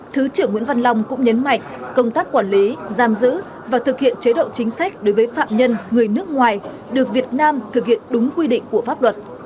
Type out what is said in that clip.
thứ trưởng nguyễn văn long cũng nhấn mạnh công tác quản lý giam giữ và thực hiện chế độ chính sách đối với phạm nhân người nước ngoài được việt nam thực hiện đúng quy định của pháp luật